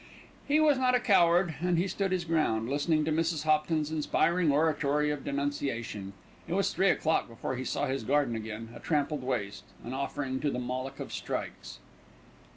He was not a coward and he stood his ground, listening to Mrs. Hopton's inspiring oratory of denunciation. It was three o'clock before he saw his garden again a trampled waste; an offering to the Moloch of strikes.